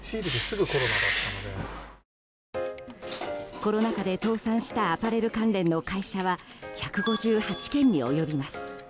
コロナ禍で倒産したアパレル関連の会社は１５８件に及びます。